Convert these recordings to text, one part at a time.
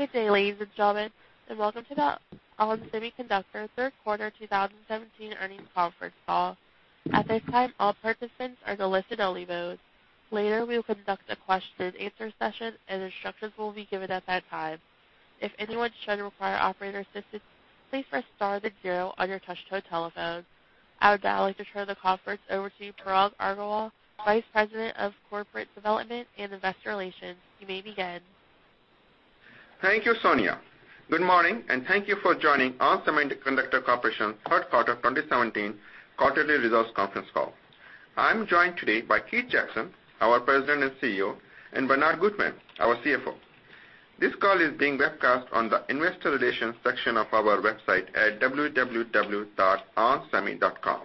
Good day, ladies and gentlemen, and welcome to the ON Semiconductor third quarter 2017 earnings conference call. At this time, all participants are in listen-only mode. Later, we will conduct a question and answer session, and instructions will be given at that time. If anyone should require operator assistance, please press star then zero on your touch-tone telephone. I would now like to turn the conference over to Parag Agarwal, Vice President of Corporate Development and Investor Relations. You may begin. Thank you, Sonia. Good morning, and thank you for joining ON Semiconductor Corporation third quarter 2017 quarterly results conference call. I'm joined today by Keith Jackson, our President and CEO, and Bernard Gutmann, our CFO. This call is being webcast on the investor relations section of our website at www.onsemi.com.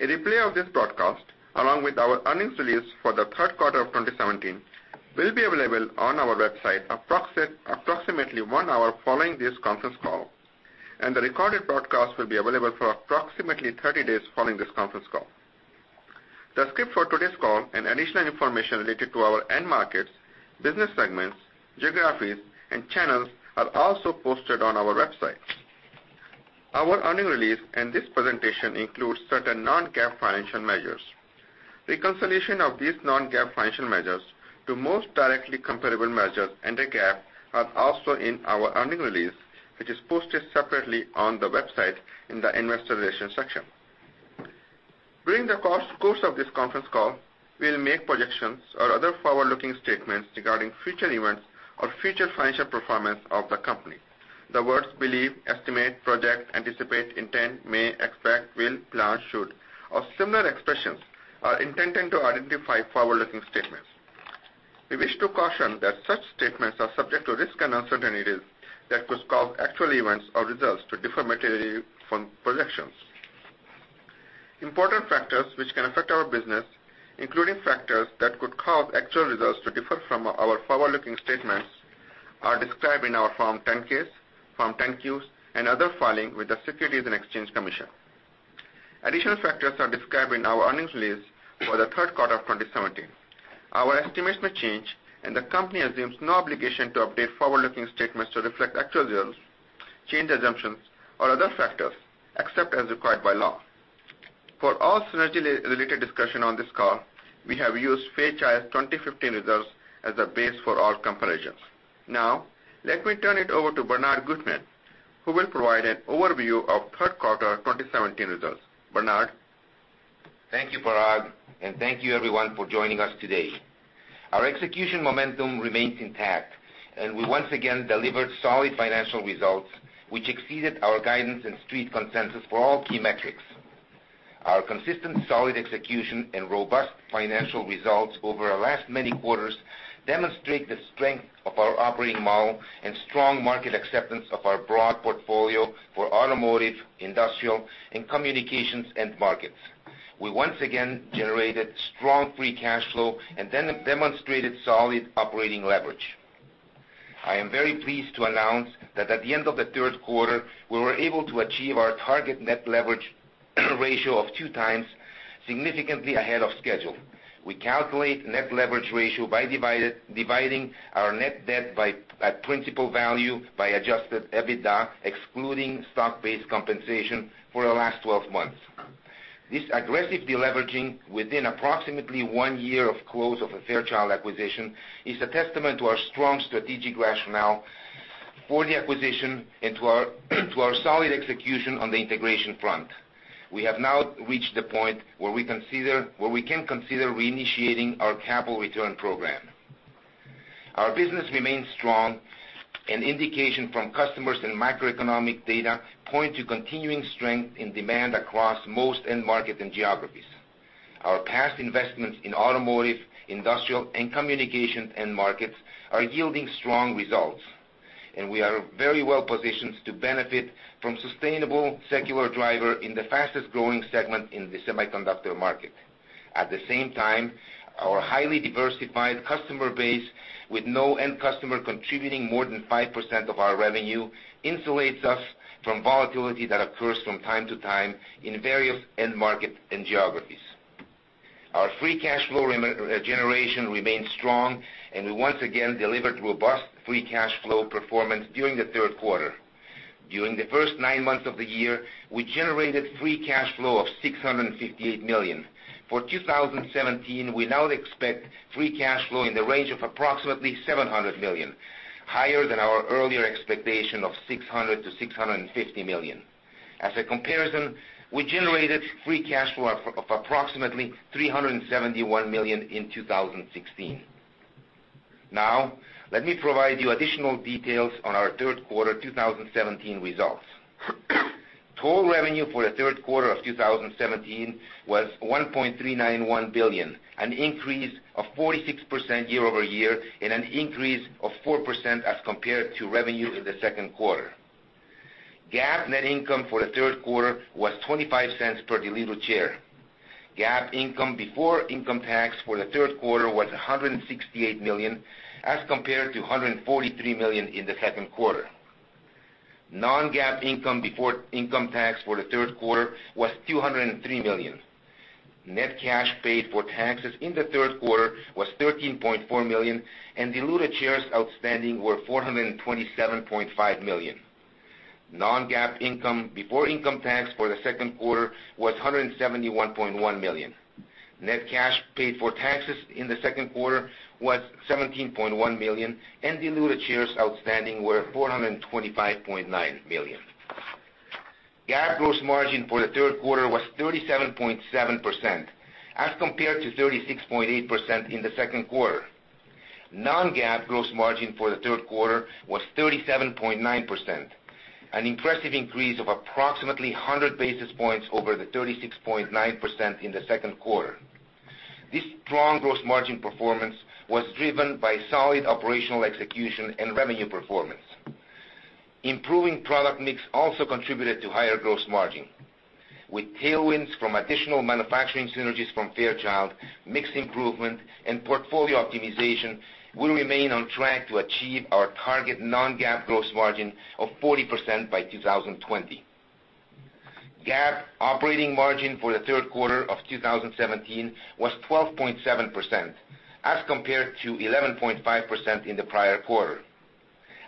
A replay of this broadcast, along with our earnings release for the third quarter of 2017, will be available on our website approximately one hour following this conference call, and the recorded broadcast will be available for approximately 30 days following this conference call. The script for today's call and additional information related to our end markets, business segments, geographies, and channels are also posted on our website. Our earning release and this presentation includes certain non-GAAP financial measures. Reconciliation of these non-GAAP financial measures to most directly comparable measures under GAAP are also in our earning release, which is posted separately on the website in the investor relations section. During the course of this conference call, we'll make projections or other forward-looking statements regarding future events or future financial performance of the company. The words believe, estimate, project, anticipate, intend, may, expect, will, plan, should, or similar expressions are intended to identify forward-looking statements. We wish to caution that such statements are subject to risks and uncertainties that could cause actual events or results to differ materially from projections. Important factors which can affect our business, including factors that could cause actual results to differ from our forward-looking statements, are described in our Form 10-Ks, Form 10-Qs, and other filings with the Securities and Exchange Commission. Additional factors are described in our earnings release for the third quarter of 2017. Our estimates may change, and the company assumes no obligation to update forward-looking statements to reflect actual results, changed assumptions, or other factors, except as required by law. For all synergy-related discussion on this call, we have used Fairchild's 2015 results as a base for all comparisons. Now, let me turn it over to Bernard Gutmann, who will provide an overview of third quarter 2017 results. Bernard? Thank you, Parag, and thank you everyone for joining us today. Our execution momentum remains intact, and we once again delivered solid financial results which exceeded our guidance and Street consensus for all key metrics. Our consistent solid execution and robust financial results over the last many quarters demonstrate the strength of our operating model and strong market acceptance of our broad portfolio for automotive, industrial, and communications end markets. We once again generated strong free cash flow and demonstrated solid operating leverage. I am very pleased to announce that at the end of the third quarter, we were able to achieve our target net leverage ratio of two times, significantly ahead of schedule. We calculate net leverage ratio by dividing our net debt by principal value by adjusted EBITDA, excluding stock-based compensation for the last 12 months. This aggressive deleveraging within approximately one year of close of the Fairchild acquisition is a testament to our strong strategic rationale for the acquisition and to our solid execution on the integration front. We have now reached the point where we can consider reinitiating our capital return program. Our business remains strong. An indication from customers and macroeconomic data point to continuing strength in demand across most end markets and geographies. Our past investments in automotive, industrial, and communication end markets are yielding strong results, and we are very well positioned to benefit from sustainable secular driver in the fastest-growing segment in the semiconductor market. At the same time, our highly diversified customer base with no end customer contributing more than 5% of our revenue insulates us from volatility that occurs from time to time in various end markets and geographies. Our free cash flow generation remains strong, and we once again delivered robust free cash flow performance during the third quarter. During the first nine months of the year, we generated free cash flow of $658 million. For 2017, we now expect free cash flow in the range of approximately $700 million, higher than our earlier expectation of $600 million-$650 million. As a comparison, we generated free cash flow of approximately $371 million in 2016. Now, let me provide you additional details on our third quarter 2017 results. Total revenue for the third quarter of 2017 was $1.391 billion, an increase of 46% year-over-year and an increase of 4% as compared to revenue in the second quarter. GAAP net income for the third quarter was $0.25 per diluted share. GAAP income before income tax for the third quarter was $168 million as compared to $143 million in the second quarter. Non-GAAP income before income tax for the third quarter was $203 million. Net cash paid for taxes in the third quarter was $13.4 million, and diluted shares outstanding were 427.5 million. Non-GAAP income before income tax for the second quarter was $171.1 million. Net cash paid for taxes in the second quarter was $17.1 million, and diluted shares outstanding were 425.9 million. GAAP gross margin for the third quarter was 37.7%, as compared to 36.8% in the second quarter. Non-GAAP gross margin for the third quarter was 37.9%, an impressive increase of approximately 100 basis points over the 36.9% in the second quarter. This strong gross margin performance was driven by solid operational execution and revenue performance. Improving product mix also contributed to higher gross margin. With tailwinds from additional manufacturing synergies from Fairchild, mix improvement, and portfolio optimization, we remain on track to achieve our target non-GAAP gross margin of 40% by 2020. GAAP operating margin for the third quarter of 2017 was 12.7%, as compared to 11.5% in the prior quarter.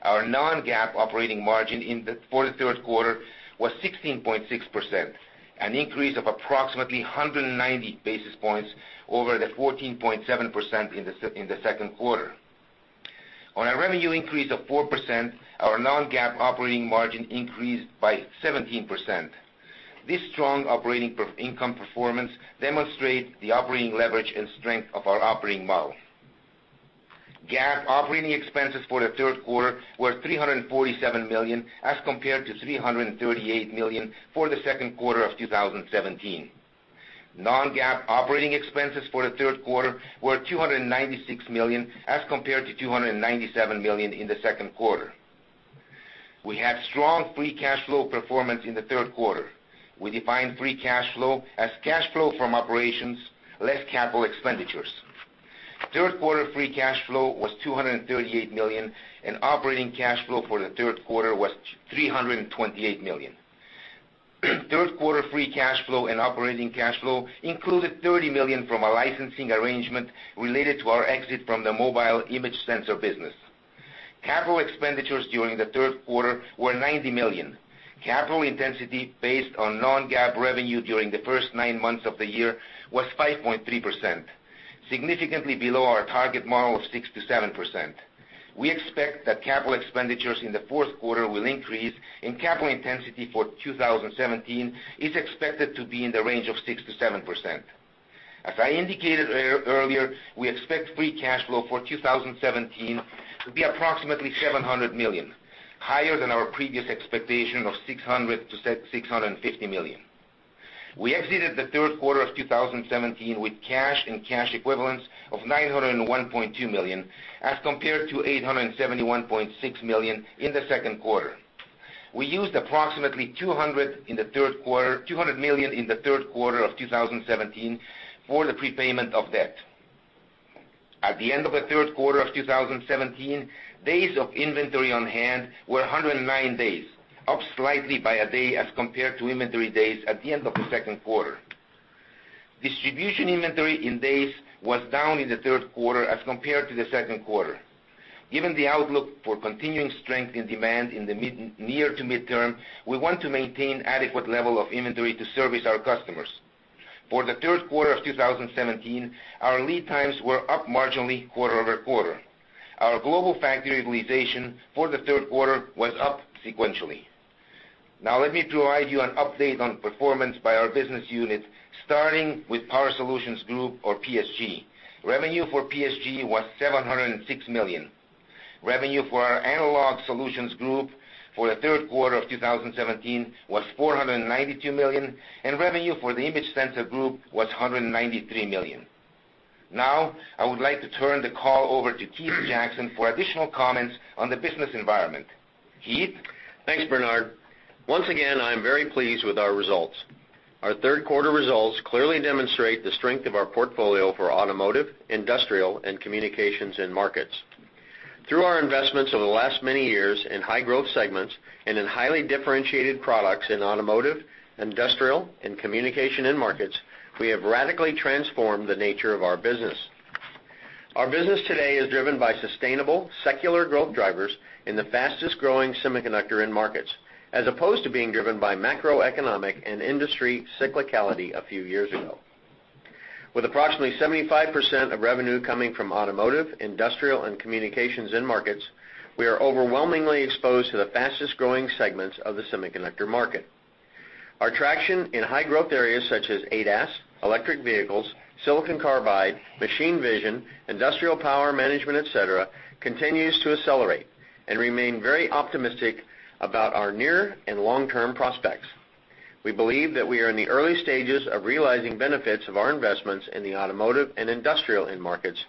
Our non-GAAP operating margin for the third quarter was 16.6%, an increase of approximately 190 basis points over the 14.7% in the second quarter. On a revenue increase of 4%, our non-GAAP operating margin increased by 17%. This strong operating income performance demonstrates the operating leverage and strength of our operating model. GAAP operating expenses for the third quarter were $347 million, as compared to $338 million for the second quarter of 2017. Non-GAAP operating expenses for the third quarter were $296 million, as compared to $297 million in the second quarter. We had strong free cash flow performance in the third quarter. We define free cash flow as cash flow from operations less capital expenditures. Third quarter free cash flow was $238 million, and operating cash flow for the third quarter was $328 million. Third quarter free cash flow and operating cash flow included $30 million from a licensing arrangement related to our exit from the mobile image sensor business. Capital expenditures during the third quarter were $90 million. Capital intensity based on non-GAAP revenue during the first nine months of the year was 5.3%, significantly below our target model of 6%-7%. We expect that capital expenditures in the fourth quarter will increase, and capital intensity for 2017 is expected to be in the range of 6%-7%. As I indicated earlier, we expect free cash flow for 2017 to be approximately $700 million, higher than our previous expectation of $600 million-$650 million. We exited the third quarter of 2017 with cash and cash equivalents of $901.2 million, as compared to $871.6 million in the second quarter. We used approximately $200 million in the third quarter of 2017 for the prepayment of debt. At the end of the third quarter of 2017, days of inventory on hand were 109 days, up slightly by a day as compared to inventory days at the end of the second quarter. Distribution inventory in days was down in the third quarter as compared to the second quarter. Given the outlook for continuing strength in demand in the near to midterm, we want to maintain adequate level of inventory to service our customers. For the third quarter of 2017, our lead times were up marginally quarter-over-quarter. Our global factory utilization for the third quarter was up sequentially. Let me provide you an update on performance by our business units, starting with Power Solutions Group or PSG. Revenue for PSG was $706 million. Revenue for our Analog Solutions Group for the third quarter of 2017 was $492 million, and revenue for the Image Sensor Group was $193 million. I would like to turn the call over to Keith Jackson for additional comments on the business environment. Keith? Thanks, Bernard. Once again, I am very pleased with our results. Our third quarter results clearly demonstrate the strength of our portfolio for automotive, industrial, and communications end markets. Through our investments over the last many years in high growth segments and in highly differentiated products in automotive, industrial, and communications end markets, we have radically transformed the nature of our business. Our business today is driven by sustainable, secular growth drivers in the fastest-growing semiconductor end markets, as opposed to being driven by macroeconomic and industry cyclicality a few years ago. With approximately 75% of revenue coming from automotive, industrial, and communications end markets, we are overwhelmingly exposed to the fastest-growing segments of the semiconductor market. Our traction in high growth areas such as ADAS, electric vehicles, silicon carbide, machine vision, industrial power management, et cetera, continues to accelerate and remain very optimistic about our near and long-term prospects. We believe that we are in the early stages of realizing benefits of our investments in the automotive and industrial end markets.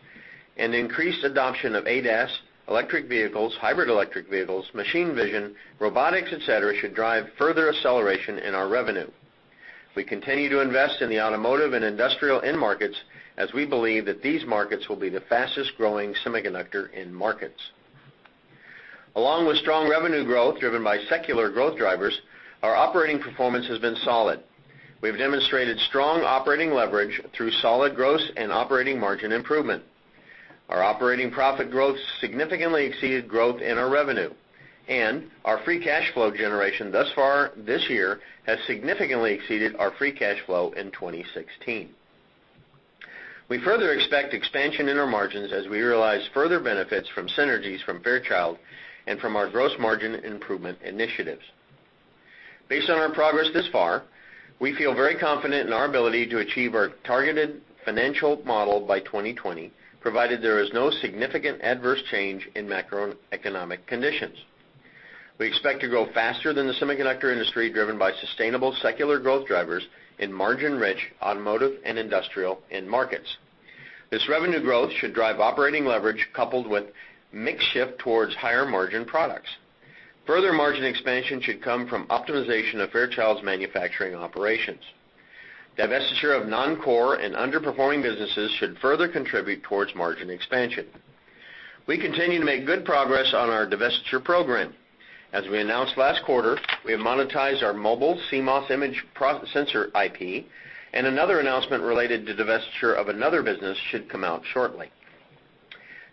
Increased adoption of ADAS, electric vehicles, hybrid electric vehicles, machine vision, robotics, et cetera, should drive further acceleration in our revenue. We continue to invest in the automotive and industrial end markets as we believe that these markets will be the fastest-growing semiconductor end markets. Along with strong revenue growth driven by secular growth drivers, our operating performance has been solid. We have demonstrated strong operating leverage through solid gross and operating margin improvement. Our operating profit growth significantly exceeded growth in our revenue. Our free cash flow generation thus far this year has significantly exceeded our free cash flow in 2016. We further expect expansion in our margins as we realize further benefits from synergies from Fairchild and from our gross margin improvement initiatives. Based on our progress thus far, we feel very confident in our ability to achieve our targeted financial model by 2020, provided there is no significant adverse change in macroeconomic conditions. We expect to grow faster than the semiconductor industry, driven by sustainable secular growth drivers in margin-rich automotive and industrial end markets. This revenue growth should drive operating leverage coupled with mix shift towards higher margin products. Further margin expansion should come from optimization of Fairchild's manufacturing operations. Divestiture of non-core and underperforming businesses should further contribute towards margin expansion. We continue to make good progress on our divestiture program. As we announced last quarter, we have monetized our mobile CMOS image sensor IP. Another announcement related to divestiture of another business should come out shortly.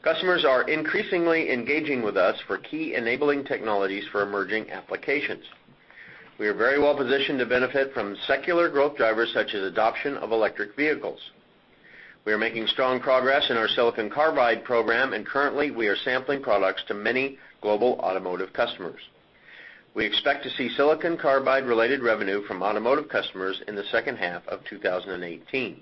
Customers are increasingly engaging with us for key enabling technologies for emerging applications. We are very well positioned to benefit from secular growth drivers such as adoption of electric vehicles. We are making strong progress in our silicon carbide program. Currently, we are sampling products to many global automotive customers. We expect to see silicon carbide-related revenue from automotive customers in the second half of 2018.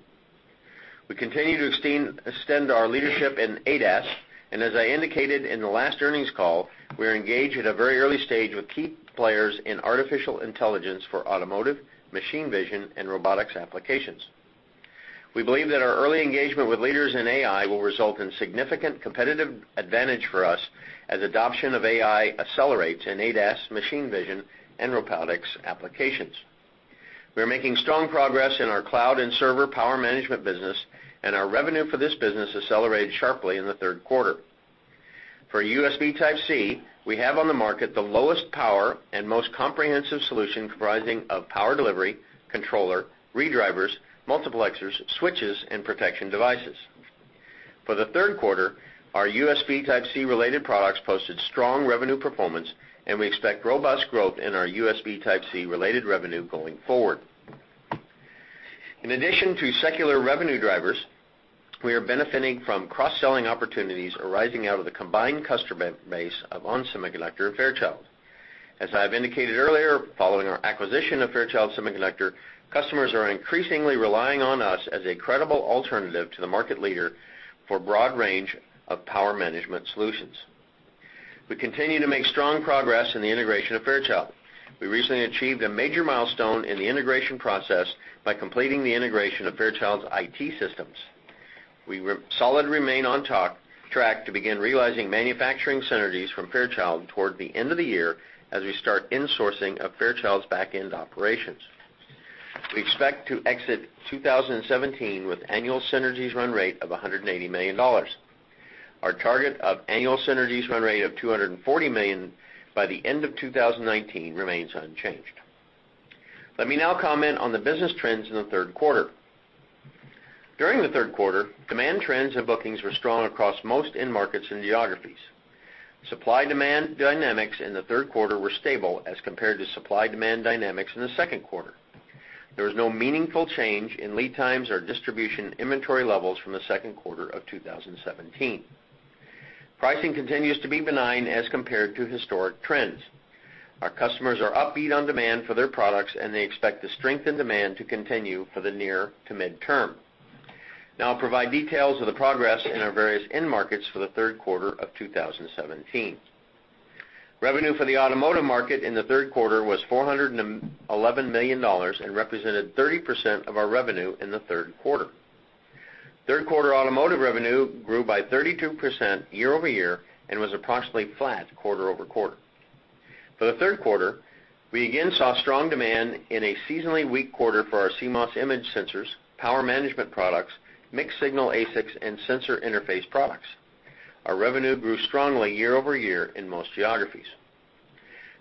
We continue to extend our leadership in ADAS. As I indicated in the last earnings call, we are engaged at a very early stage with key players in artificial intelligence for automotive, machine vision, and robotics applications. We believe that our early engagement with leaders in AI will result in significant competitive advantage for us as adoption of AI accelerates in ADAS machine vision and robotics applications. We are making strong progress in our cloud and server power management business. Our revenue for this business accelerated sharply in the third quarter. For USB Type-C, we have on the market the lowest power and most comprehensive solution comprising of power delivery, controller, redrivers, multiplexers, switches, and protection devices. For the third quarter, our USB Type-C related products posted strong revenue performance, and we expect robust growth in our USB Type-C related revenue going forward. In addition to secular revenue drivers, we are benefiting from cross-selling opportunities arising out of the combined customer base of ON Semiconductor and Fairchild. As I have indicated earlier, following our acquisition of Fairchild Semiconductor, customers are increasingly relying on us as a credible alternative to the market leader for a broad range of power management solutions. We continue to make strong progress in the integration of Fairchild. We recently achieved a major milestone in the integration process by completing the integration of Fairchild's IT systems. We solidly remain on track to begin realizing manufacturing synergies from Fairchild toward the end of the year as we start insourcing of Fairchild's back-end operations. We expect to exit 2017 with annual synergies run rate of $180 million. Our target of annual synergies run rate of $240 million by the end of 2019 remains unchanged. Let me now comment on the business trends in the third quarter. During the third quarter, demand trends and bookings were strong across most end markets and geographies. Supply-demand dynamics in the third quarter were stable as compared to supply-demand dynamics in the second quarter. There was no meaningful change in lead times or distribution inventory levels from the second quarter of 2017. Pricing continues to be benign as compared to historic trends. Our customers are upbeat on demand for their products. They expect the strength in demand to continue for the near to mid-term. Now I'll provide details of the progress in our various end markets for the third quarter of 2017. Revenue for the automotive market in the third quarter was $411 million and represented 30% of our revenue in the third quarter. Third quarter automotive revenue grew by 32% year-over-year and was approximately flat quarter-over-quarter. For the third quarter, we again saw strong demand in a seasonally weak quarter for our CMOS image sensors, power management products, mixed-signal ASICs, and sensor interface products. Our revenue grew strongly year-over-year in most geographies.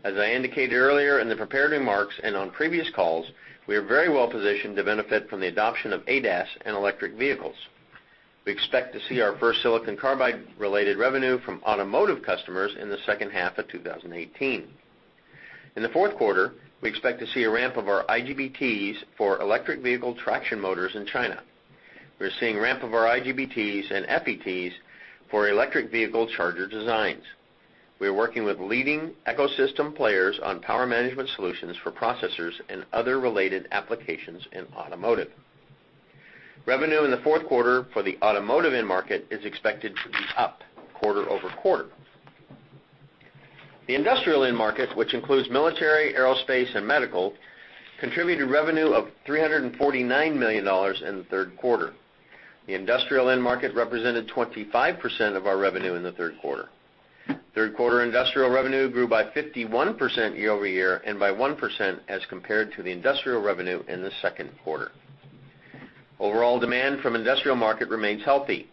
As I indicated earlier in the prepared remarks and on previous calls, we are very well positioned to benefit from the adoption of ADAS and electric vehicles. We expect to see our first silicon carbide-related revenue from automotive customers in the second half of 2018. In the fourth quarter, we expect to see a ramp of our IGBTs for electric vehicle traction motors in China. We are seeing ramp of our IGBTs and FETs for electric vehicle charger designs. We are working with leading ecosystem players on power management solutions for processors and other related applications in automotive. Revenue in the fourth quarter for the automotive end market is expected to be up quarter-over-quarter. The industrial end market, which includes military, aerospace, and medical, contributed revenue of $349 million in the third quarter. The industrial end market represented 25% of our revenue in the third quarter. Third quarter industrial revenue grew by 51% year-over-year and by 1% as compared to the industrial revenue in the second quarter. Overall demand from industrial market remains healthy.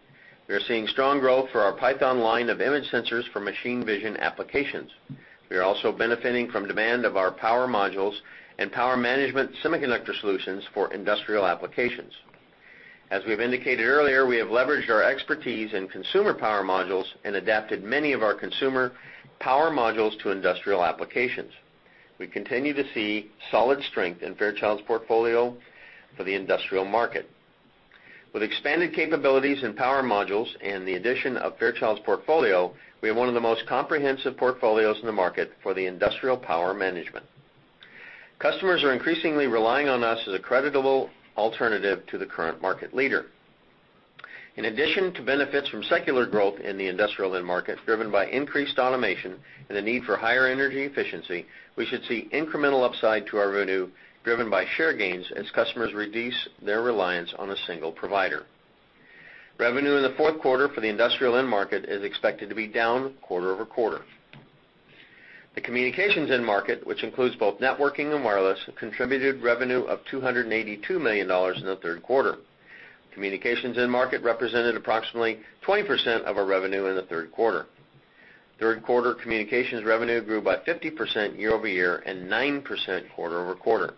We are seeing strong growth for our PYTHON line of image sensors for machine vision applications. We are also benefiting from demand of our power modules and power management semiconductor solutions for industrial applications. As we've indicated earlier, we have leveraged our expertise in consumer power modules and adapted many of our consumer power modules to industrial applications. We continue to see solid strength in Fairchild's portfolio for the industrial market. With expanded capabilities in power modules and the addition of Fairchild's portfolio, we have one of the most comprehensive portfolios in the market for the industrial power management. Customers are increasingly relying on us as a credible alternative to the current market leader. In addition to benefits from secular growth in the industrial end market, driven by increased automation and the need for higher energy efficiency, we should see incremental upside to our revenue driven by share gains as customers reduce their reliance on a single provider. Revenue in the fourth quarter for the industrial end market is expected to be down quarter-over-quarter. The communications end market, which includes both networking and wireless, contributed revenue of $282 million in the third quarter. Communications end market represented approximately 20% of our revenue in the third quarter. Third quarter communications revenue grew by 50% year-over-year and 9% quarter-over-quarter.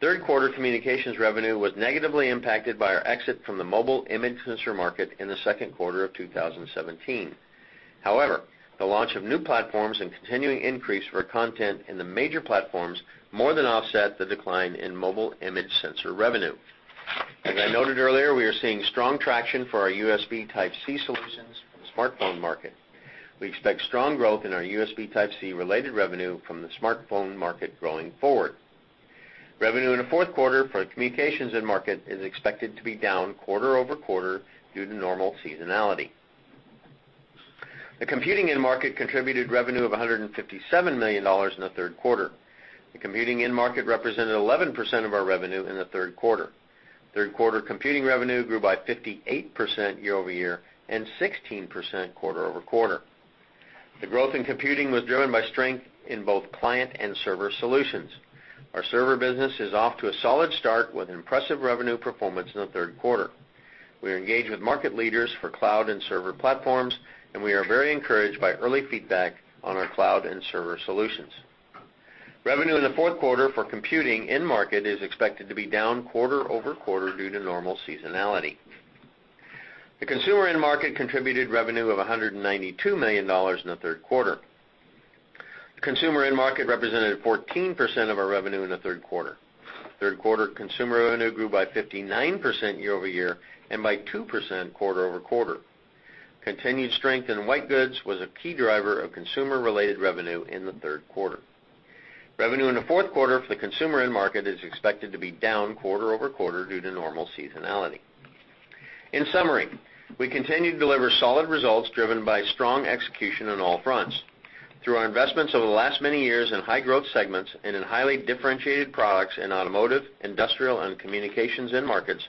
Third quarter communications revenue was negatively impacted by our exit from the mobile image sensor market in the second quarter of 2017. The launch of new platforms and continuing increase for content in the major platforms more than offset the decline in mobile image sensor revenue. As I noted earlier, we are seeing strong traction for our USB Type-C solutions in the smartphone market. We expect strong growth in our USB Type-C related revenue from the smartphone market going forward. Revenue in the fourth quarter for the communications end market is expected to be down quarter-over-quarter due to normal seasonality. The computing end market contributed revenue of $157 million in the third quarter. The computing end market represented 11% of our revenue in the third quarter. Third quarter computing revenue grew by 58% year-over-year and 16% quarter-over-quarter. The growth in computing was driven by strength in both client and server solutions. Our server business is off to a solid start with impressive revenue performance in the third quarter. We are engaged with market leaders for cloud and server platforms, and we are very encouraged by early feedback on our cloud and server solutions. Revenue in the fourth quarter for computing end market is expected to be down quarter-over-quarter due to normal seasonality. The consumer end market contributed revenue of $192 million in the third quarter. The consumer end market represented 14% of our revenue in the third quarter. Third quarter consumer revenue grew by 59% year-over-year and by 2% quarter-over-quarter. Continued strength in white goods was a key driver of consumer-related revenue in the third quarter. Revenue in the fourth quarter for the consumer end market is expected to be down quarter-over-quarter due to normal seasonality. In summary, we continue to deliver solid results, driven by strong execution on all fronts. Through our investments over the last many years in high growth segments and in highly differentiated products in automotive, industrial, and communications end markets,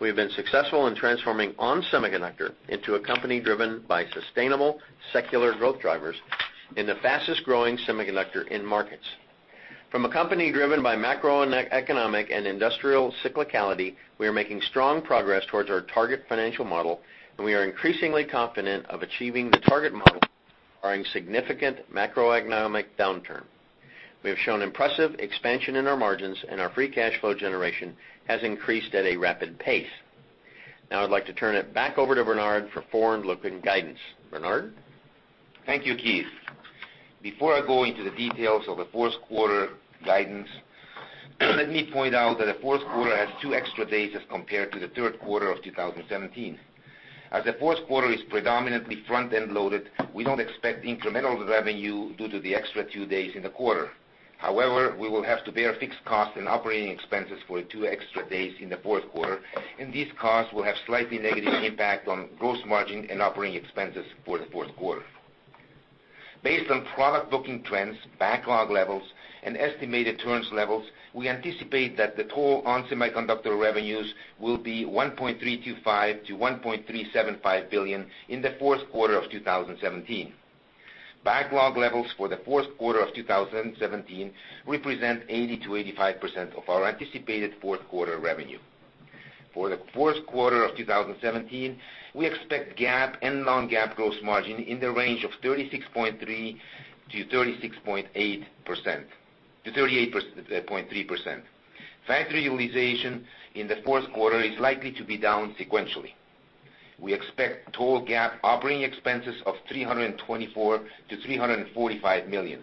we have been successful in transforming ON Semiconductor into a company driven by sustainable, secular growth drivers in the fastest-growing semiconductor end markets. From a company driven by macroeconomic and industrial cyclicality, we are making strong progress towards our target financial model, and we are increasingly confident of achieving the target model barring significant macroeconomic downturn. We have shown impressive expansion in our margins, and our free cash flow generation has increased at a rapid pace. Now I'd like to turn it back over to Bernard for forward-looking guidance. Bernard? Thank you, Keith. Before I go into the details of the fourth quarter guidance, let me point out that the fourth quarter has two extra days as compared to the third quarter of 2017. As the fourth quarter is predominantly front-end loaded, we don't expect incremental revenue due to the extra two days in the quarter. However, we will have to bear fixed costs and operating expenses for the two extra days in the fourth quarter, and these costs will have slightly negative impact on gross margin and operating expenses for the fourth quarter. Based on product booking trends, backlog levels, and estimated turns levels, we anticipate that the total ON Semiconductor revenues will be $1.325 billion to $1.375 billion in the fourth quarter of 2017. Backlog levels for the fourth quarter of 2017 represent 80%-85% of our anticipated fourth quarter revenue. For the fourth quarter of 2017, we expect GAAP and non-GAAP gross margin in the range of 36.3%-38.3%. Factory utilization in the fourth quarter is likely to be down sequentially. We expect total GAAP operating expenses of $324 million to $345 million.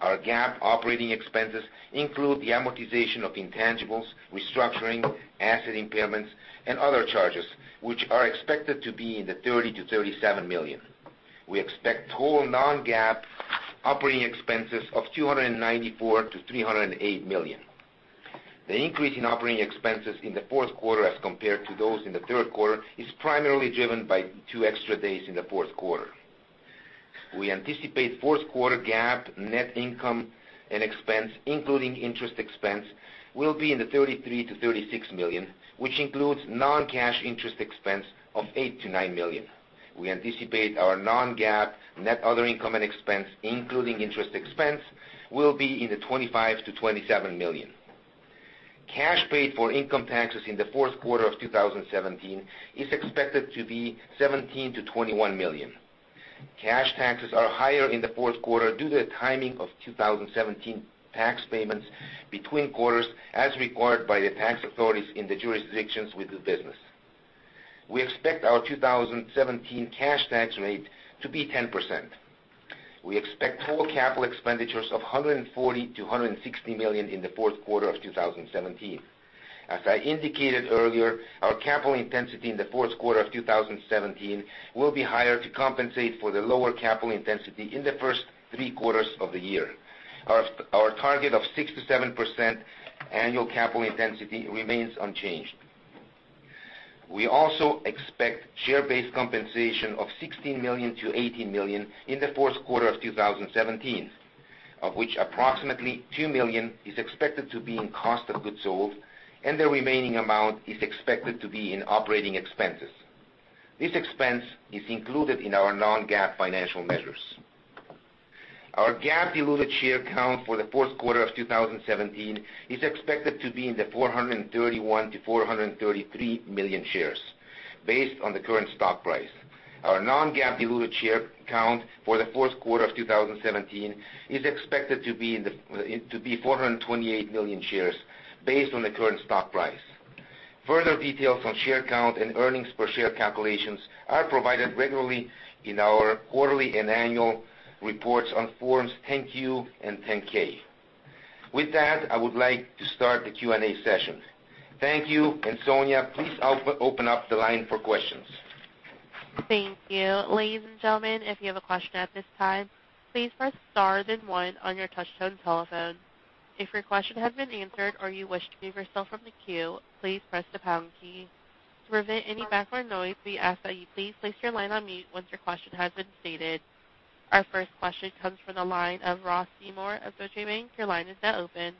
Our GAAP operating expenses include the amortization of intangibles, restructuring, asset impairments, and other charges, which are expected to be in the $30 million to $37 million. We expect total non-GAAP operating expenses of $294 million to $308 million. The increase in operating expenses in the fourth quarter as compared to those in the third quarter is primarily driven by two extra days in the fourth quarter. We anticipate fourth quarter GAAP net income and expense, including interest expense, will be in the $33 million to $36 million, which includes non-cash interest expense of $8 million to $9 million. We anticipate our non-GAAP net other income and expense, including interest expense, will be in the $25 million to $27 million. Cash paid for income taxes in the fourth quarter of 2017 is expected to be $17 million to $21 million. Cash taxes are higher in the fourth quarter due to the timing of 2017 tax payments between quarters as required by the tax authorities in the jurisdictions with the business. We expect our 2017 cash tax rate to be 10%. We expect total capital expenditures of $140 million to $160 million in the fourth quarter of 2017. As I indicated earlier, our capital intensity in the fourth quarter of 2017 will be higher to compensate for the lower capital intensity in the first three quarters of the year. Our target of 6%-7% annual capital intensity remains unchanged. We also expect share-based compensation of $16 million to $18 million in the fourth quarter of 2017, of which approximately $2 million is expected to be in cost of goods sold and the remaining amount is expected to be in operating expenses. This expense is included in our non-GAAP financial measures. Our GAAP diluted share count for the fourth quarter of 2017 is expected to be in the 431 million-433 million shares based on the current stock price. Our non-GAAP diluted share count for the fourth quarter of 2017 is expected to be 428 million shares based on the current stock price. Further details on share count and earnings per share calculations are provided regularly in our quarterly and annual reports on Forms 10-Q and 10-K. I would like to start the Q&A session. Thank you. Sonia, please open up the line for questions. Thank you. Ladies and gentlemen, if you have a question at this time, please press star then one on your touch-tone telephone. If your question has been answered or you wish to remove yourself from the queue, please press the pound key. To prevent any background noise, we ask that you please place your line on mute once your question has been stated. Our first question comes from the line of Ross Seymore of Deutsche Bank. Your line is now open.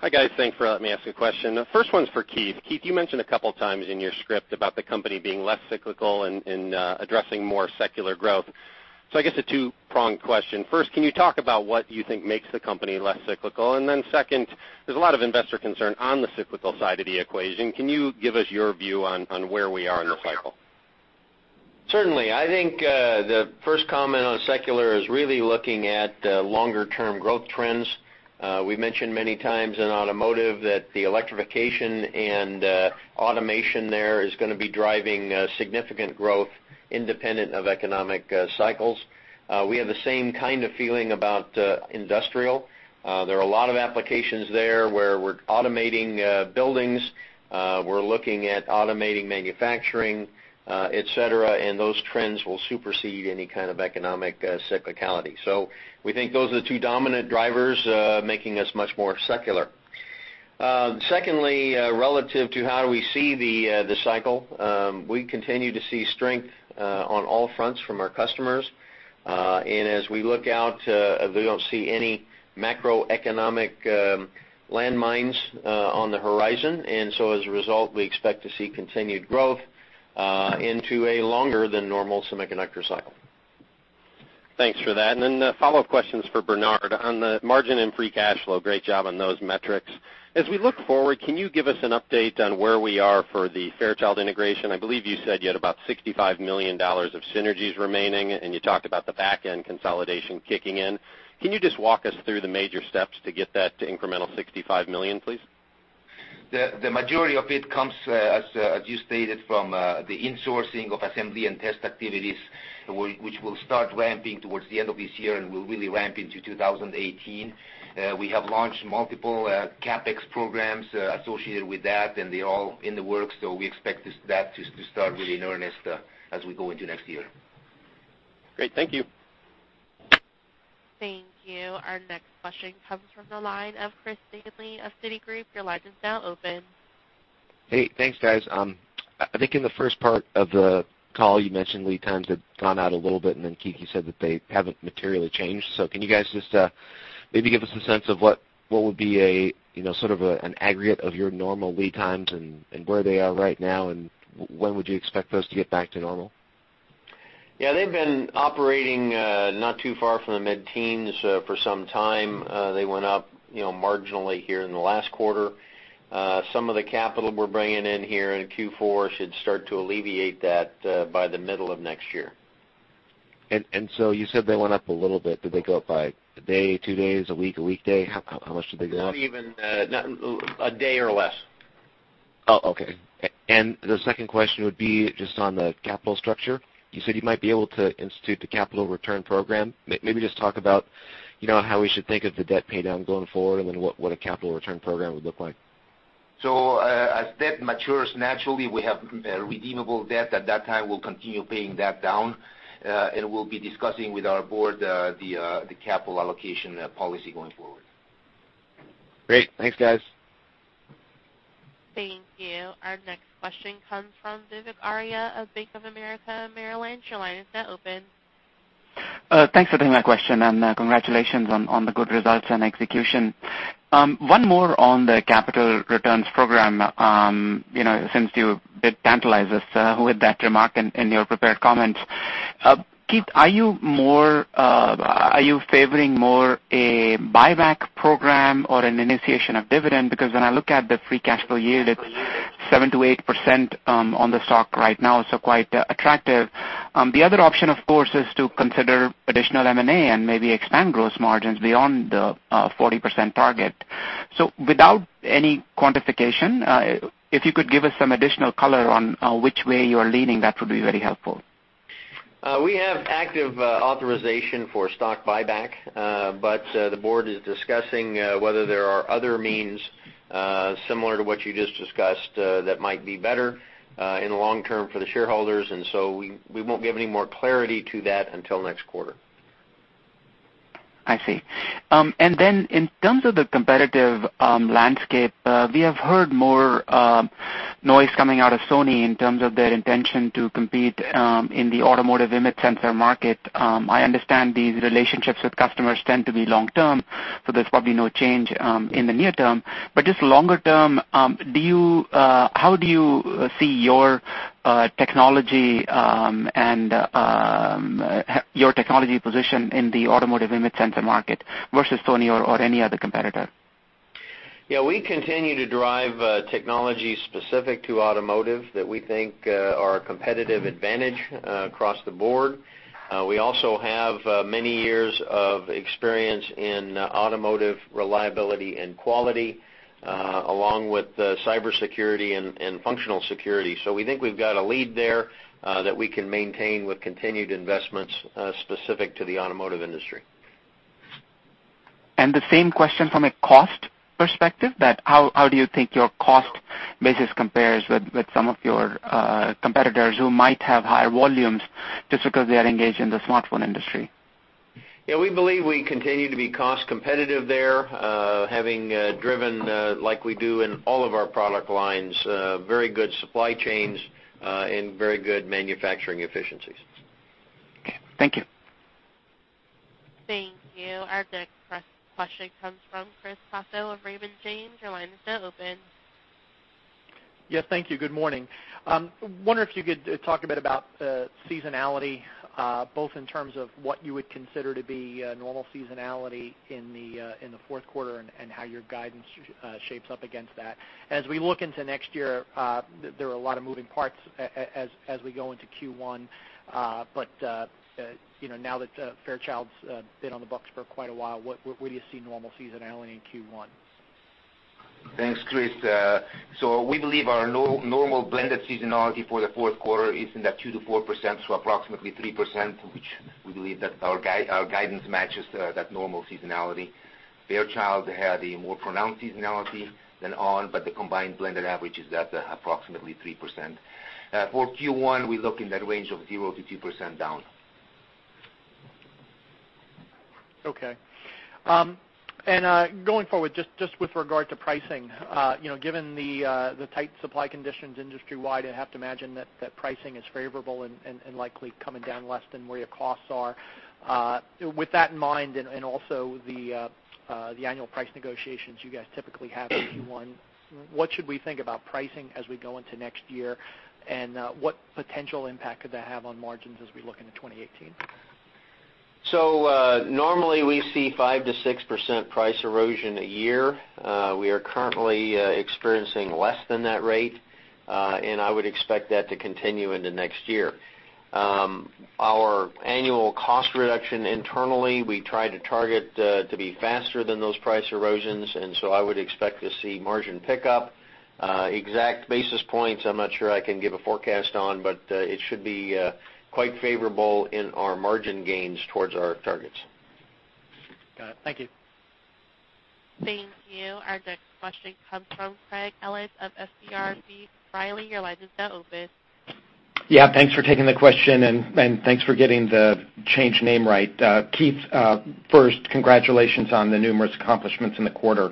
Hi, guys. Thanks for letting me ask a question. The first one's for Keith. Keith, you mentioned a couple times in your script about the company being less cyclical and addressing more secular growth. I guess a two-pronged question. First, can you talk about what you think makes the company less cyclical? Second, there's a lot of investor concern on the cyclical side of the equation. Can you give us your view on where we are in the cycle? Certainly. I think, the first comment on secular is really looking at longer-term growth trends. We mentioned many times in automotive that the electrification and automation there is going to be driving significant growth independent of economic cycles. We have the same kind of feeling about industrial. There are a lot of applications there where we're automating buildings. We're looking at automating manufacturing, et cetera, and those trends will supersede any kind of economic cyclicality. We think those are the two dominant drivers making us much more secular. Secondly, relative to how we see the cycle, we continue to see strength on all fronts from our customers. As we look out, we don't see any macroeconomic landmines on the horizon. As a result, we expect to see continued growth into a longer than normal semiconductor cycle. Thanks for that. A follow-up question's for Bernard. On the margin and free cash flow, great job on those metrics. As we look forward, can you give us an update on where we are for the Fairchild integration? I believe you said you had about $65 million of synergies remaining, and you talked about the back-end consolidation kicking in. Can you just walk us through the major steps to get that to incremental $65 million, please? The majority of it comes, as you stated, from the insourcing of assembly and test activities, which will start ramping towards the end of this year and will really ramp into 2018. We have launched multiple CapEx programs associated with that, and they're all in the works, so we expect that to start really in earnest as we go into next year. Great. Thank you. Thank you. Our next question comes from the line of Chris Danely of Citigroup. Your line is now open. Hey, thanks, guys. I think in the first part of the call, you mentioned lead times had gone out a little bit, then Keith, you said that they haven't materially changed. Can you guys just maybe give us a sense of what would be an aggregate of your normal lead times and where they are right now, and when would you expect those to get back to normal? Yeah, they've been operating not too far from the mid-teens for some time. They went up marginally here in the last quarter. Some of the capital we're bringing in here in Q4 should start to alleviate that by the middle of next year. You said they went up a little bit. Did they go up by a day, two days, a week, a week day? How much did they go up? A day or less. Oh, okay. The second question would be just on the capital structure. You said you might be able to institute the capital return program. Maybe just talk about how we should think of the debt paydown going forward and then what a capital return program would look like. As debt matures naturally, we have redeemable debt. At that time, we'll continue paying that down. We'll be discussing with our board the capital allocation policy going forward. Great. Thanks, guys. Thank you. Our next question comes from Vivek Arya of Bank of America, Merrill Lynch. Your line is now open. Thanks for taking my question. Congratulations on the good results and execution. One more on the capital returns program, since you did tantalize us with that remark in your prepared comments. Keith, are you favoring more a buyback program or an initiation of dividend? When I look at the free cash flow yield, it's 7%-8% on the stock right now, so quite attractive. The other option, of course, is to consider additional M&A and maybe expand gross margins beyond the 40% target. Without any quantification, if you could give us some additional color on which way you are leaning, that would be very helpful. We have active authorization for stock buyback, but the board is discussing whether there are other means, similar to what you just discussed, that might be better in the long term for the shareholders, and so we won't be having any more clarity to that until next quarter. I see. In terms of the competitive landscape, we have heard more noise coming out of Sony in terms of their intention to compete in the automotive image sensor market. I understand these relationships with customers tend to be long-term, so there's probably no change in the near term. Just longer term, how do you see your technology position in the automotive image sensor market versus Sony or any other competitor? We continue to drive technology specific to automotive that we think are a competitive advantage across the board. We also have many years of experience in automotive reliability and quality, along with cybersecurity and functional security. We think we've got a lead there that we can maintain with continued investments specific to the automotive industry. The same question from a cost perspective, how do you think your cost basis compares with some of your competitors who might have higher volumes just because they are engaged in the smartphone industry? Yeah, we believe we continue to be cost competitive there, having driven, like we do in all of our product lines, very good supply chains and very good manufacturing efficiencies. Okay. Thank you. Thank you. Our next question comes from Chris Caso of Raymond James. Your line is now open. Yes, thank you. Good morning. Wonder if you could talk a bit about seasonality, both in terms of what you would consider to be normal seasonality in the fourth quarter and how your guidance shapes up against that. As we look into next year, there are a lot of moving parts as we go into Q1. Now that Fairchild's been on the books for quite a while, where do you see normal seasonality in Q1? Thanks, Chris. We believe our normal blended seasonality for the fourth quarter is in that 2%-4%, so approximately 3%, which we believe that our guidance matches that normal seasonality. Fairchild had a more pronounced seasonality than ON, but the combined blended average is at approximately 3%. For Q1, we look in that range of 0%-2% down. Okay. Going forward, just with regard to pricing, given the tight supply conditions industry-wide, I'd have to imagine that pricing is favorable and likely coming down less than where your costs are. With that in mind and also the annual price negotiations you guys typically have in Q1, what should we think about pricing as we go into next year, and what potential impact could that have on margins as we look into 2018? Normally we see 5%-6% price erosion a year. We are currently experiencing less than that rate, and I would expect that to continue into next year. Our annual cost reduction internally, we try to target to be faster than those price erosions, and so I would expect to see margin pickup. Exact basis points I'm not sure I can give a forecast on, but it should be quite favorable in our margin gains towards our targets. Got it. Thank you. Thank you. Our next question comes from Craig Ellis of FBR & Co. Riley, your line is now open. Thanks for taking the question, and thanks for getting the changed name right. Keith, first, congratulations on the numerous accomplishments in the quarter.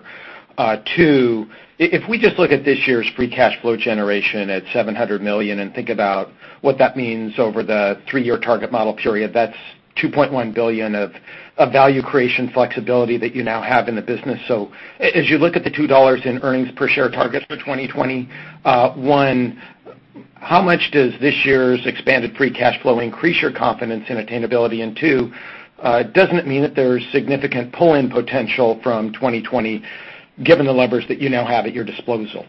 Two, if we just look at this year's free cash flow generation at $700 million and think about what that means over the three-year target model period, that's $2.1 billion of value creation flexibility that you now have in the business. As you look at the $2 in earnings per share targets for 2021, how much does this year's expanded free cash flow increase your confidence in attainability? Two, doesn't it mean that there is significant pull-in potential from 2020 given the levers that you now have at your disposal?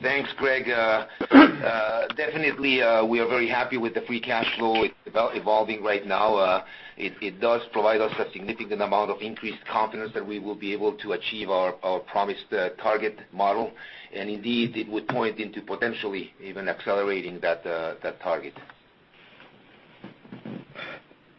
Thanks, Craig. Definitely, we are very happy with the free cash flow evolving right now. It does provide us a significant amount of increased confidence that we will be able to achieve our promised target model. Indeed, it would point into potentially even accelerating that target.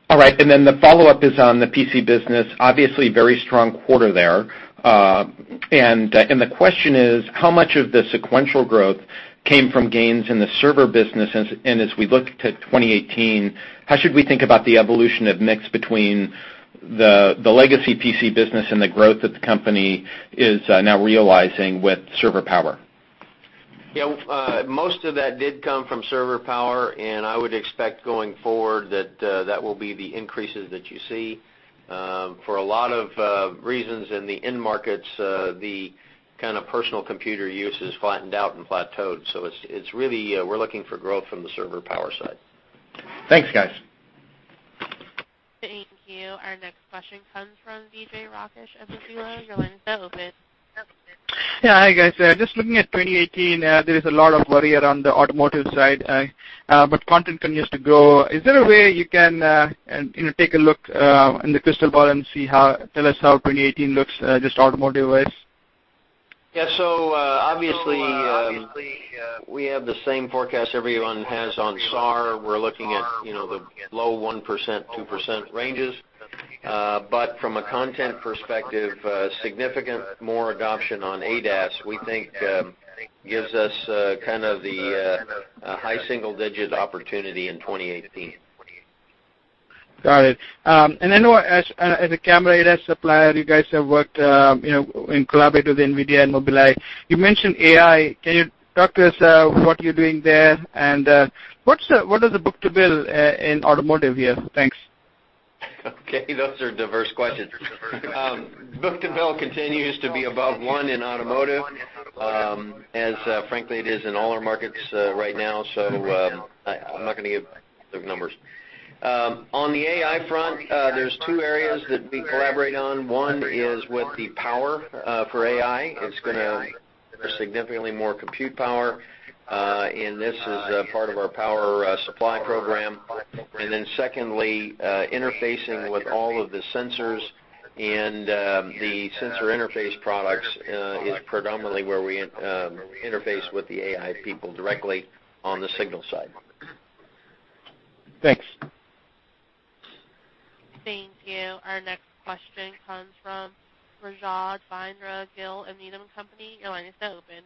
All right. The follow-up is on the PC business. Obviously, very strong quarter there. The question is, how much of the sequential growth came from gains in the server business? As we look to 2018, how should we think about the evolution of mix between the legacy PC business and the growth that the company is now realizing with server power? Yeah. Most of that did come from server power, I would expect going forward that will be the increases that you see. For a lot of reasons in the end markets, the kind of personal computer use has flattened out and plateaued. We're looking for growth from the server power side. Thanks, guys. Thank you. Our next question comes from Vijay Rakesh of Mizuho. Your line is now open. Yeah. Hi, guys. Just looking at 2018, there is a lot of worry around the automotive side. Content continues to grow. Is there a way you can take a look in the crystal ball and tell us how 2018 looks, just automotive-wise? Yeah. Obviously, we have the same forecast everyone has on SAR. We're looking at the low 1%, 2% ranges. From a content perspective, significant more adoption on ADAS, we think gives us kind of the high single-digit opportunity in 2018. Got it. I know as a camera ADAS supplier, you guys have worked in collaborate with NVIDIA and Mobileye. You mentioned AI. Can you talk to us what you're doing there, and what is the book to bill in automotive here? Thanks. Okay. Those are diverse questions. Book to bill continues to be above one in automotive, as frankly it is in all our markets right now. I'm not going to give the numbers. On the AI front, there's two areas that we collaborate on. One is with the power for AI. It's going to require significantly more compute power, and this is part of our power supply program. Secondly, interfacing with all of the sensors, and the sensor interface products is predominantly where we interface with the AI people directly on the signal side. Thanks. Thank you. Our next question comes from Rajvindra Gill of Needham & Company. Your line is now open.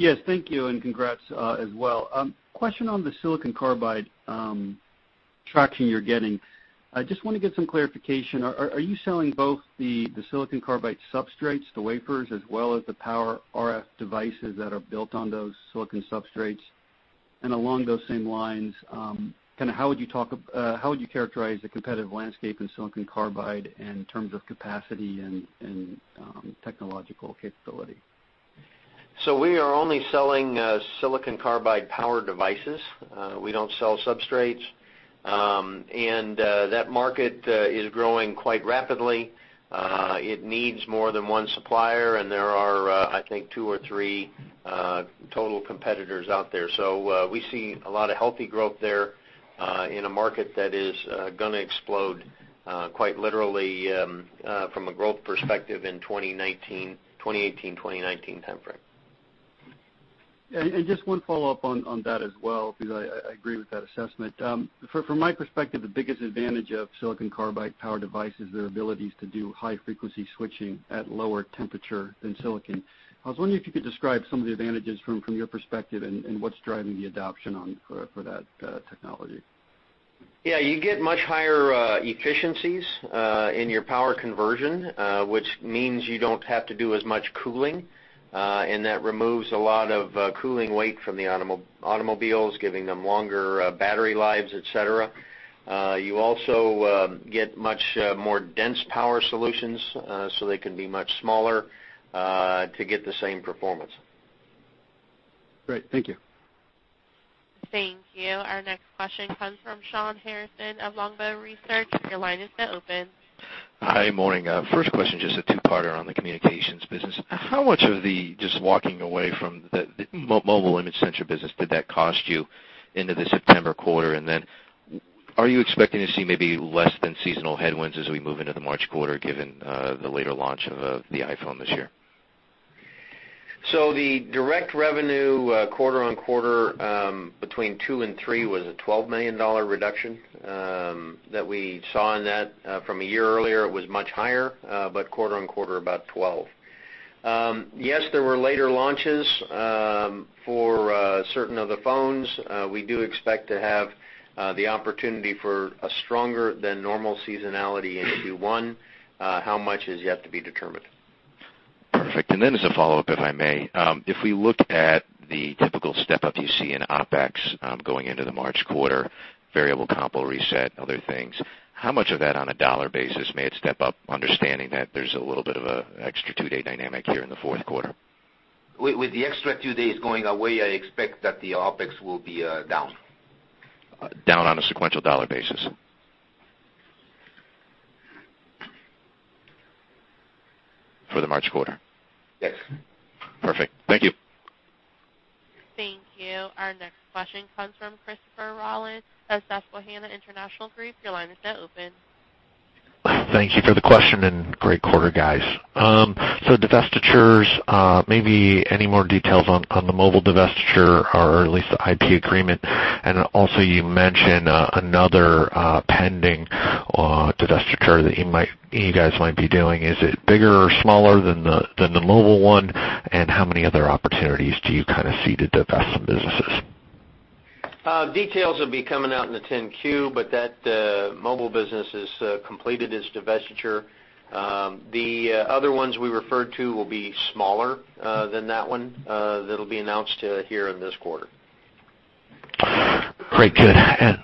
Yes, thank you, and congrats as well. Question on the silicon carbide traction you're getting. I just want to get some clarification. Are you selling both the silicon carbide substrates, the wafers, as well as the power RF devices that are built on those silicon substrates? Along those same lines, how would you characterize the competitive landscape in silicon carbide in terms of capacity and technological capability? We are only selling silicon carbide power devices. We don't sell substrates. That market is growing quite rapidly. It needs more than one supplier, and there are, I think, two or three total competitors out there. We see a lot of healthy growth there in a market that is going to explode quite literally from a growth perspective in 2018, 2019 timeframe. Yeah, just one follow-up on that as well, because I agree with that assessment. From my perspective, the biggest advantage of silicon carbide power devices is their abilities to do high-frequency switching at lower temperature than silicon. I was wondering if you could describe some of the advantages from your perspective and what's driving the adoption for that technology. Yeah, you get much higher efficiencies in your power conversion, which means you don't have to do as much cooling, and that removes a lot of cooling weight from the automobiles, giving them longer battery lives, et cetera. You also get much more dense power solutions, so they can be much smaller to get the same performance. Great. Thank you. Thank you. Our next question comes from Shawn Harrison of Longbow Research. Your line is now open. Hi, morning. First question, just a two-parter on the communications business. How much of the, just walking away from the mobile image sensor business, did that cost you into the September quarter? Are you expecting to see maybe less than seasonal headwinds as we move into the March quarter, given the later launch of the iPhone this year? The direct revenue quarter-on-quarter between two and three was a $12 million reduction that we saw in that. From a year earlier, it was much higher, but quarter-on-quarter, about $12. Yes, there were later launches for certain of the phones. We do expect to have the opportunity for a stronger than normal seasonality in Q1. How much is yet to be determined. Perfect. As a follow-up, if I may, if we look at the typical step-up you see in OpEx going into the March quarter, variable comp will reset, other things, how much of that on a dollar basis may it step up, understanding that there's a little bit of an extra two-day dynamic here in the fourth quarter? With the extra two days going away, I expect that the OpEx will be down. Down on a sequential dollar basis? For the March quarter? Yes. Perfect. Thank you. Thank you. Our next question comes from Christopher Rolland of Susquehanna Financial Group. Your line is now open. Thank you for the question, great quarter, guys. Divestitures, maybe any more details on the mobile divestiture or at least the IP agreement. Also, you mentioned another pending divestiture that you guys might be doing. Is it bigger or smaller than the mobile one? How many other opportunities do you kind of see to divest some businesses? Details will be coming out in the 10-Q, that mobile business has completed its divestiture. The other ones we referred to will be smaller than that one that will be announced here in this quarter. Great. Good.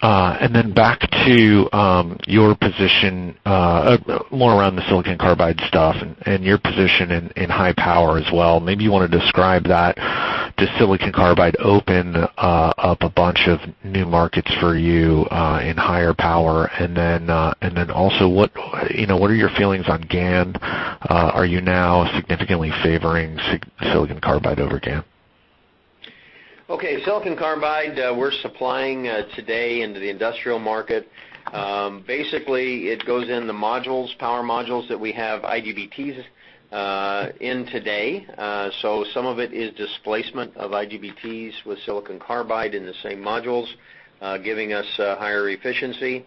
Back to your position, more around the silicon carbide stuff and your position in high power as well. Maybe you want to describe that. Does silicon carbide open up a bunch of new markets for you in higher power? Also, what are your feelings on GaN? Are you now significantly favoring silicon carbide over GaN? Okay. Silicon carbide, we're supplying today into the industrial market. Basically, it goes into modules, power modules that we have IGBTs in today. Some of it is displacement of IGBTs with silicon carbide in the same modules, giving us higher efficiency.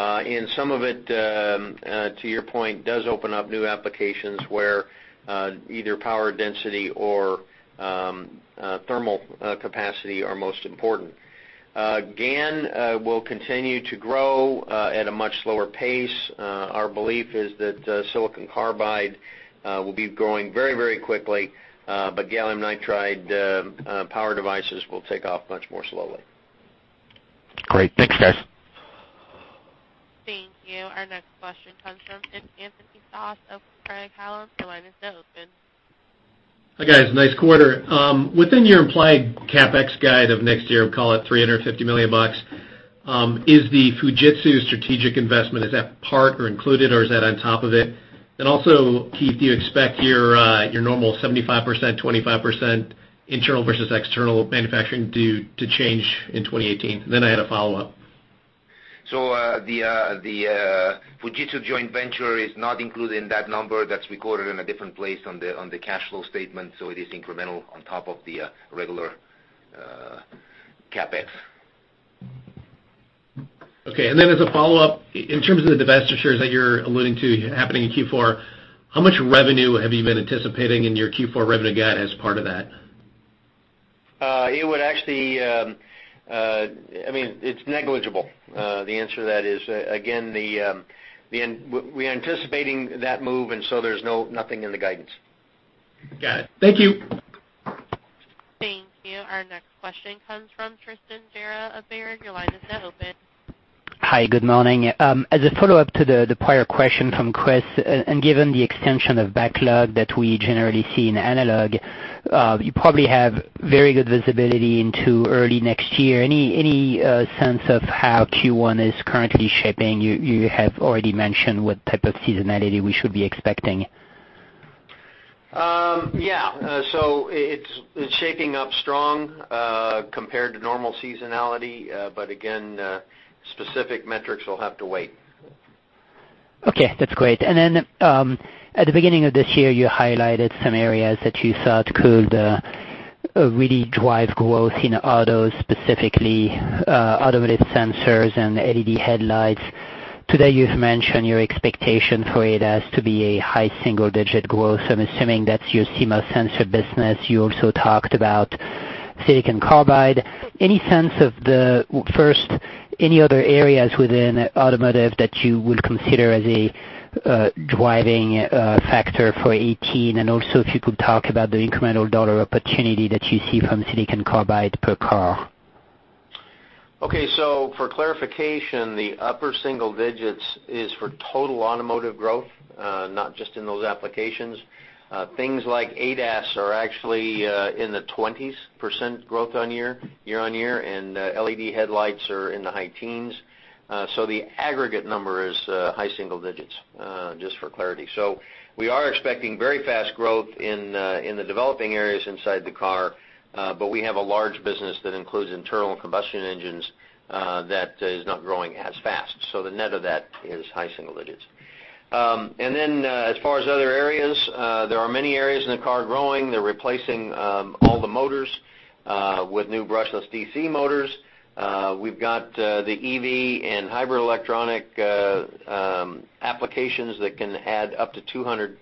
Some of it, to your point, does open up new applications where either power density or thermal capacity are most important. GaN will continue to grow at a much slower pace. Our belief is that silicon carbide will be growing very quickly, but gallium nitride power devices will take off much more slowly. Great. Thanks, guys. Thank you. Our next question comes from Anthony Stoss of Craig-Hallum. Your line is now open. Hi, guys, nice quarter. Within your implied CapEx guide of next year, we'll call it $350 million, is the Fujitsu strategic investment, is that part or included or is that on top of it? Also, Keith, do you expect your normal 75%/25% internal versus external manufacturing to change in 2018? I had a follow-up. The Fujitsu joint venture is not included in that number. That's recorded in a different place on the cash flow statement, so it is incremental on top of the regular CapEx. Okay, then as a follow-up, in terms of the divestitures that you're alluding to happening in Q4, how much revenue have you been anticipating in your Q4 revenue guide as part of that? It would actually, it's negligible. The answer to that is, again, we're anticipating that move, so there's nothing in the guidance. Got it. Thank you. Thank you. Our next question comes from Tristan Gerra of Baird. Your line is now open. Hi, good morning. As a follow-up to the prior question from Chris, given the extension of backlog that we generally see in analog, you probably have very good visibility into early next year. Any sense of how Q1 is currently shaping? You have already mentioned what type of seasonality we should be expecting. Yeah. It's shaping up strong compared to normal seasonality, but again, specific metrics will have to wait. Okay, that's great. At the beginning of this year, you highlighted some areas that you thought could really drive growth in auto, specifically automotive sensors and LED headlights. You've mentioned your expectation for it as to be a high single-digit growth. I'm assuming that's your CMOS sensor business. You also talked about silicon carbide. Any sense of the, first, any other areas within automotive that you would consider as a driving factor for 2018? If you could talk about the incremental dollar opportunity that you see from silicon carbide per car. Okay. For clarification, the upper single-digits is for total automotive growth, not just in those applications. Things like ADAS are actually in the 20s% growth year-on-year, and LED headlights are in the high teens. The aggregate number is high single-digits, just for clarity. We are expecting very fast growth in the developing areas inside the car, but we have a large business that includes internal combustion engines, that is not growing as fast. The net of that is high single-digits. As far as other areas, there are many areas in the car growing. They're replacing all the motors with new brushless DC motors. We've got the EV and hybrid electronic applications that can add up to $200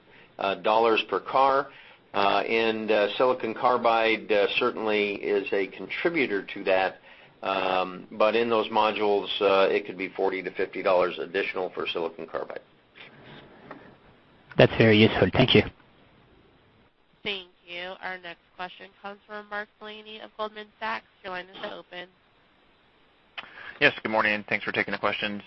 per car, and silicon carbide certainly is a contributor to that. In those modules, it could be $40-$50 additional for silicon carbide. That's very useful. Thank you. Thank you. Our next question comes from Mark Delaney of Goldman Sachs. Your line is now open. Yes, good morning. Thanks for taking the questions.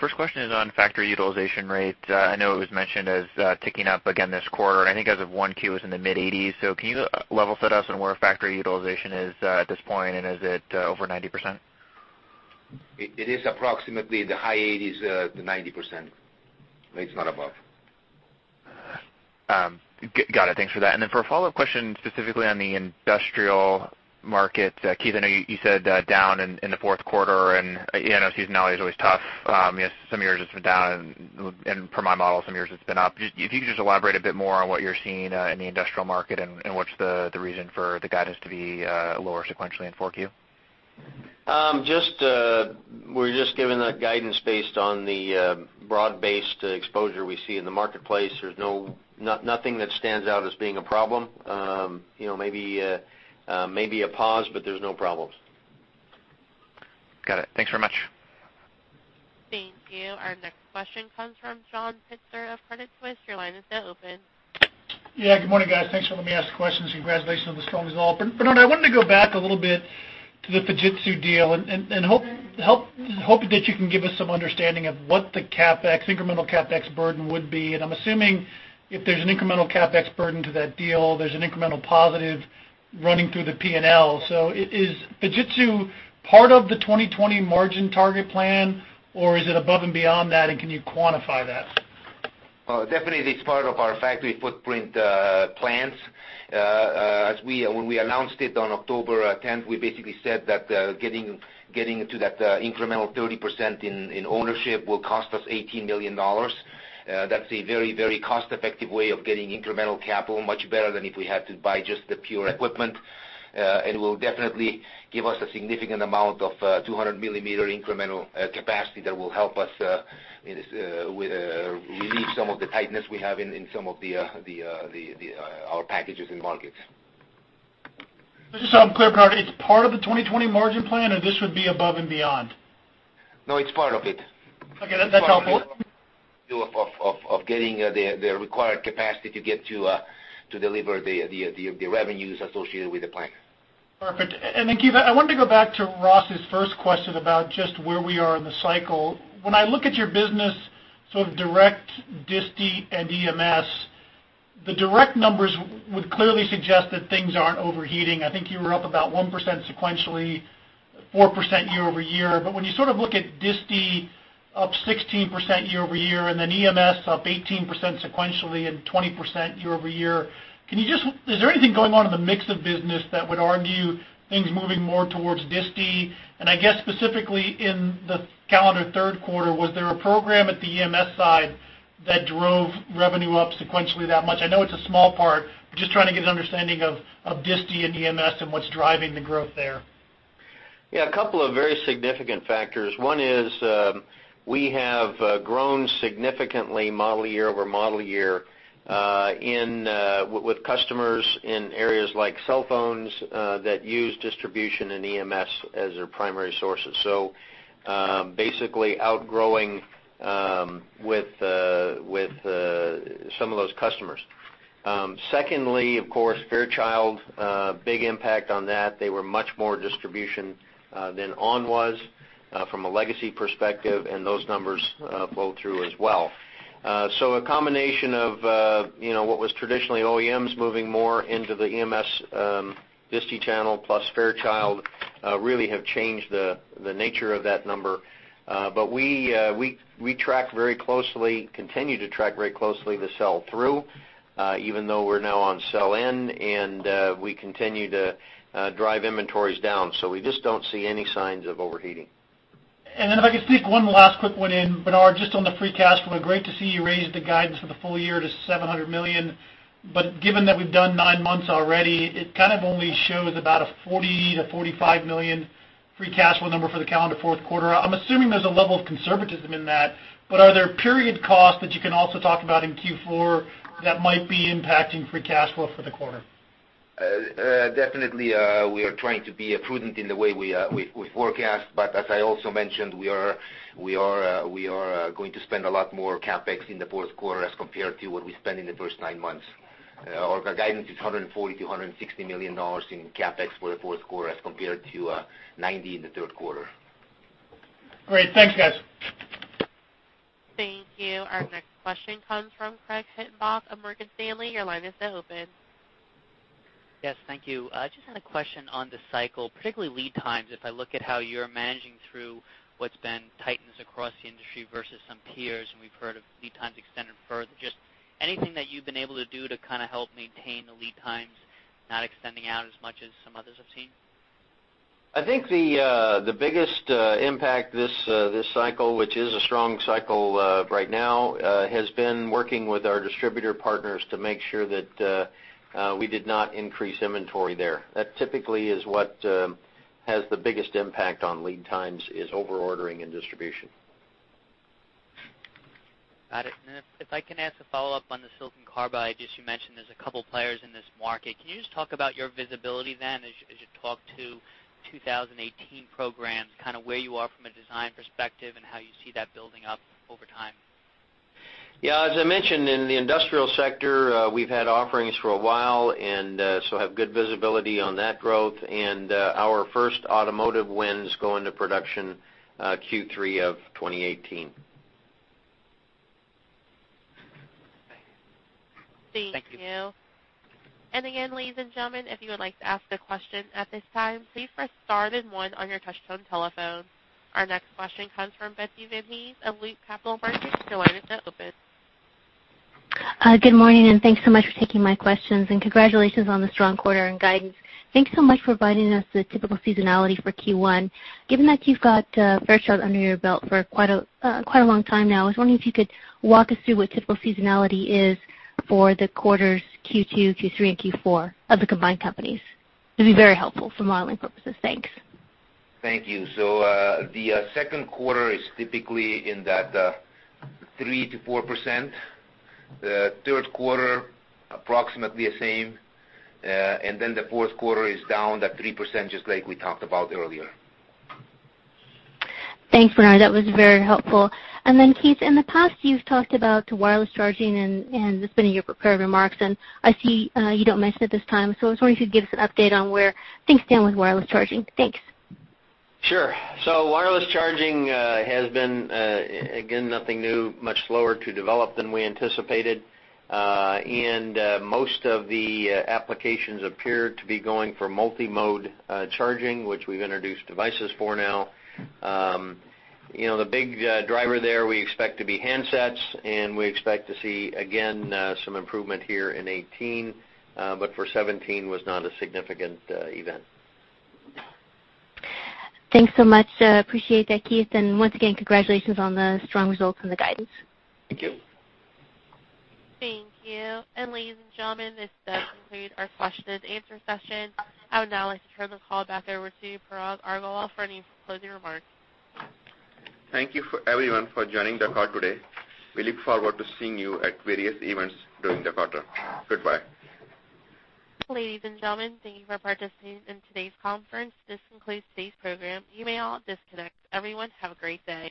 First question is on factory utilization rate. I know it was mentioned as ticking up again this quarter. I think as of 1Q it was in the mid-80s. Can you level set us on where factory utilization is at this point, and is it over 90%? It is approximately the high 80s to 90%, it's not above. Got it. Thanks for that. Then for a follow-up question specifically on the industrial market, Keith, I know you said down in the fourth quarter and seasonality is always tough. Some years it's been down and from my model some years it's been up. If you could just elaborate a bit more on what you're seeing in the industrial market and what's the reason for the guidance to be lower sequentially in 4Q? We're just giving that guidance based on the broad-based exposure we see in the marketplace. There's nothing that stands out as being a problem. Maybe a pause, but there's no problems. Got it. Thanks very much. Thank you. Our next question comes from John Pitzer of Credit Suisse. Your line is now open. Yeah, good morning, guys. Thanks for letting me ask questions. Congratulations on the strong results. Bernard, I wanted to go back a little bit to the Fujitsu deal and hoping that you can give us some understanding of what the incremental CapEx burden would be, and I'm assuming if there's an incremental CapEx burden to that deal, there's an incremental positive running through the P&L. Is Fujitsu part of the 2020 margin target plan, or is it above and beyond that, and can you quantify that? Well, definitely it's part of our factory footprint plans. When we announced it on October 10th, we basically said that getting to that incremental 30% in ownership will cost us $18 million. That's a very cost-effective way of getting incremental capital, much better than if we had to buy just the pure equipment. It will definitely give us a significant amount of 200 millimeter incremental capacity that will help us relieve some of the tightness we have in some of our packages in markets. Just so I'm clear, Bernard, it's part of the 2020 margin plan, or this would be above and beyond? No, it's part of it. Okay, that's all. Of getting the required capacity to get to deliver the revenues associated with the plan. Perfect. Keith, I wanted to go back to Ross' first question about just where we are in the cycle. When I look at your business, sort of direct disti and EMS, the direct numbers would clearly suggest that things aren't overheating. I think you were up about 1% sequentially, 4% year-over-year. When you sort of look at disti up 16% year-over-year, and then EMS up 18% sequentially and 20% year-over-year, is there anything going on in the mix of business that would argue things moving more towards disti? I guess specifically in the calendar third quarter, was there a program at the EMS side that drove revenue up sequentially that much? I know it's a small part, but just trying to get an understanding of disti and EMS and what's driving the growth there. A couple of very significant factors. One is, we have grown significantly model year over model year with customers in areas like cell phones, that use distribution and EMS as their primary sources. Basically outgrowing with some of those customers. Secondly, of course, Fairchild, big impact on that. They were much more distribution than ON was, from a legacy perspective, and those numbers flow through as well. A combination of what was traditionally OEMs moving more into the EMS disti channel, plus Fairchild, really have changed the nature of that number. We track very closely, continue to track very closely the sell-through, even though we're now on sell-in, and we continue to drive inventories down. We just don't see any signs of overheating. If I could sneak one last quick one in, Bernard, just on the free cash flow. Great to see you raise the guidance for the full year to $700 million. Given that we've done nine months already, it kind of only shows about a $40 million to $45 million free cash flow number for the calendar fourth quarter. I'm assuming there's a level of conservatism in that, but are there period costs that you can also talk about in Q4 that might be impacting free cash flow for the quarter? Definitely, we are trying to be prudent in the way we forecast. As I also mentioned, we are going to spend a lot more CapEx in the fourth quarter as compared to what we spent in the first nine months. Our guidance is $140 million to $160 million in CapEx for the fourth quarter as compared to $90 million in the third quarter. Great. Thanks, guys. Thank you. Our next question comes from Craig Hettenbach of Morgan Stanley. Your line is now open. Yes, thank you. Just had a question on the cycle, particularly lead times. If I look at how you're managing through what's been tightness across the industry versus some peers, and we've heard of lead times extending further. Just anything that you've been able to do to kind of help maintain the lead times not extending out as much as some others have seen? I think the biggest impact this cycle, which is a strong cycle right now, has been working with our distributor partners to make sure that we did not increase inventory there. That typically is what has the biggest impact on lead times, is over-ordering and distribution. Got it. If I can ask a follow-up on the silicon carbide, I guess you mentioned there's a couple players in this market. Can you just talk about your visibility then, as you talk to 2018 programs, kind of where you are from a design perspective and how you see that building up over time? Yeah. As I mentioned, in the industrial sector, we've had offerings for a while, have good visibility on that growth. Our first automotive wins go into production Q3 of 2018. Thanks. Thank you. Thank you. Again, ladies and gentlemen, if you would like to ask a question at this time, please press star then one on your touchtone telephone. Our next question comes from Betsy Van Hees of Loop Capital Markets. Your line is now open. Good morning, thanks so much for taking my questions. Congratulations on the strong quarter and guidance. Thanks so much for providing us the typical seasonality for Q1. Given that you've got Fairchild under your belt for quite a long time now, I was wondering if you could walk us through what typical seasonality is for the quarters Q2, Q3, and Q4 of the combined companies. It'd be very helpful for modeling purposes. Thanks. Thank you. The second quarter is typically in that 3%-4%. The third quarter, approximately the same. The fourth quarter is down that 3%, just like we talked about earlier. Thanks, Bernard. That was very helpful. Keith, in the past, you've talked about wireless charging and just in your prepared remarks, and I see you don't mention it this time, I was wondering if you could give us an update on where things stand with wireless charging. Thanks. Sure. Wireless charging has been, again, nothing new, much slower to develop than we anticipated. Most of the applications appear to be going for multi-mode charging, which we've introduced devices for now. The big driver there we expect to be handsets, and we expect to see, again, some improvement here in 2018. For 2017, was not a significant event. Thanks so much. Appreciate that, Keith. Once again, congratulations on the strong results and the guidance. Thank you. Thank you. Ladies and gentlemen, this does conclude our question and answer session. I would now like to turn the call back over to Parag Agarwal for any closing remarks. Thank you everyone for joining the call today. We look forward to seeing you at various events during the quarter. Goodbye. Ladies and gentlemen, thank you for participating in today's conference. This concludes today's program. You may all disconnect. Everyone, have a great day.